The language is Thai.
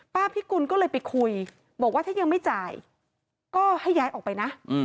พิกุลก็เลยไปคุยบอกว่าถ้ายังไม่จ่ายก็ให้ย้ายออกไปนะ